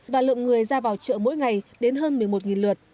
và lượng người ra vào chợ mỗi ngày đến hơn một mươi một lượt